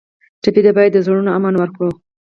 ټپي ته باید د زړونو امن ورکړو.